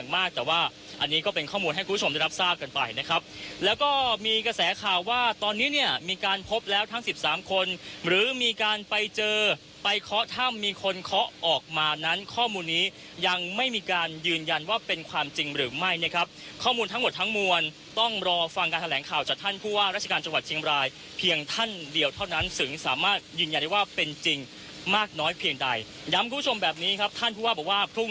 มีการพบแล้วทั้งสิบสามคนหรือมีการไปเจอไปเคาะถ้ำมีคนเคาะออกมานั้นข้อมูลนี้ยังไม่มีการยืนยันว่าเป็นความจริงหรือไม่นะครับข้อมูลทั้งหมดทั้งมวลต้องรอฟังการแถลงข่าวจากท่านผู้ว่าราชิการจังหวัดเชียงบรายเพียงท่านเดียวเท่านั้นสึงสามารถยืนยันได้ว่าเป็นจริงมากน้อยเพียงใดย้ำคุณ